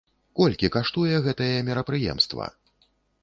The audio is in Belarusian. Колькі каштуе гэтае мерапрыемства?